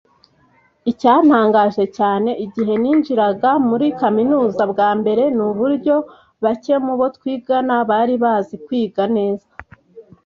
Icyantangaje cyane igihe ninjiraga muri kaminuza bwa mbere ni uburyo bake mu bo twigana bari bazi kwiga neza